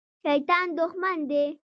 شیطان دښمن دی